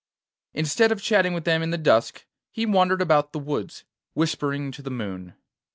Instead of chatting with them in the dusk, he wandered about the woods, whispering to the moon.